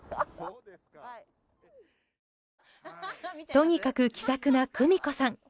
とにかく気さくな久美子さん。